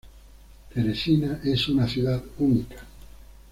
Teresina es una ciudad única.